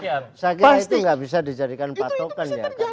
ya sakyar itu gak bisa dijadikan patokan ya